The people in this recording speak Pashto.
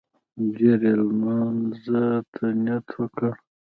ژر يې لمانځه ته نيت وکړ.